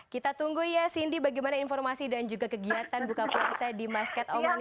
kita tunggu ya cindy bagaimana informasi dan juga kegiatan buka puasa di masket oman